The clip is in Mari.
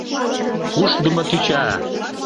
— Ушдымо тӱча!